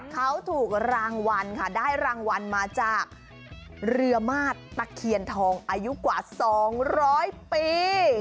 เขาถูกรางวัลค่ะได้รางวัลมาจากเรือมาสตะเคียนทองอายุกว่า๒๐๐ปี